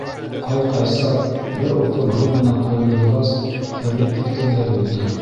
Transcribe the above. Ҡай-Ҡайсар бер уртлам һыу менән ҡойондорғас, терелеп киткәндәй булды.